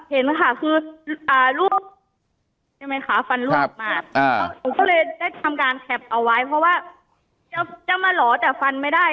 เห็นค่ะคือรูปฟันรูปมาผมก็เลยได้ทำการแคปเอาไว้เพราะว่าจะมาหล่อแต่ฟันไม่ได้